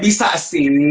bisa jadi goyang